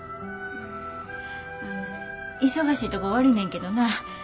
忙しいとこ悪いねんけどな